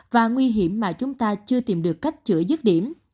và nguy hiểm mà chúng ta chưa tìm được cách chữa dứt điểm